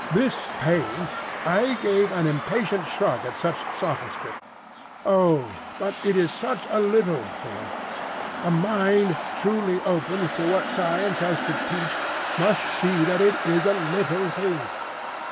This pain—" I gave an impatient shrug at such sophistry. "Oh, but it is such a little thing! A mind truly opened to what science has to teach must see that it is a little thing.